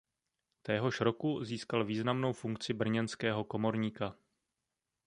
Téhož roku získal významnou funkci brněnského komorníka.